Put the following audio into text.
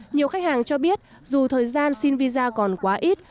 nhiều khách hàng cho biết dù thời gian xin visa còn quá ít